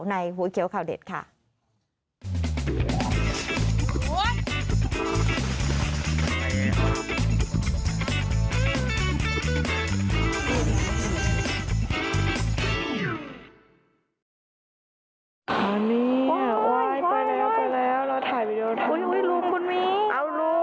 หัวเขียวข่าวเด็ดค่ะ